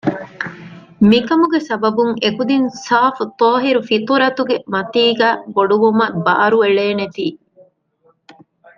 މިކަމުގެ ސަބަބުން އެ ކުދިން ސާފު ޠާހިރު ފިޠުރަތުގެ މަތީގައި ބޮޑުވުމަށް ބާރުއެޅޭނެތީ